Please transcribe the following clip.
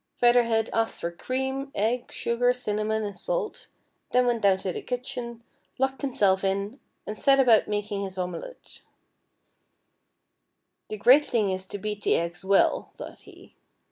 Feather Head asked for cream, eggs, sugar, cinnamon, and salt, then went down to the kitchen, locked himself in, and set about making his omelet. " The great thing is to beat the eggs well," thought he.